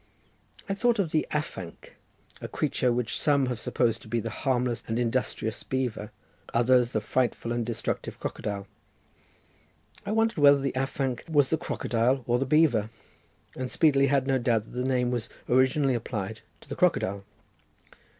I thought of the afanc, a creature which some have supposed to be the harmless and industrious beaver, others the frightful and destructive crocodile. I wondered whether the afanc was the crocodile or the beaver, and speedily had no doubt that the name was originally applied to the crocodile.